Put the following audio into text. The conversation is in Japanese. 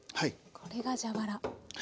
これが蛇腹。